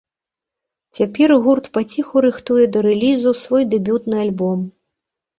Цяпер гурт паціху рыхтуе да рэлізу свой дэбютны альбом.